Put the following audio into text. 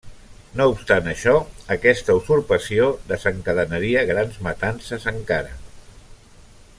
No obstant això, aquesta usurpació desencadenaria grans matances encara.